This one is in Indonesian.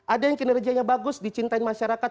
ada yang kinerjanya bagus dicintai masyarakat